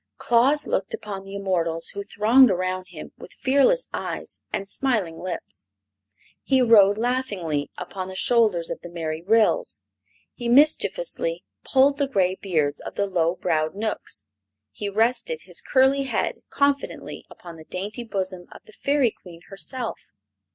Claus looked upon the immortals who thronged around him with fearless eyes and smiling lips. He rode laughingly upon the shoulders of the merry Ryls; he mischievously pulled the gray beards of the low browed Knooks; he rested his curly head confidently upon the dainty bosom of the Fairy Queen herself.